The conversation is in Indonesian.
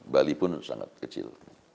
bali pun sangat kecil